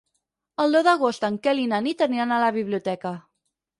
El deu d'agost en Quel i na Nit aniran a la biblioteca.